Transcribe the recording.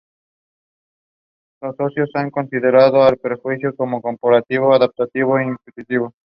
Los sociólogos han considerado al prejuicio como un comportamiento adaptativo instintivo.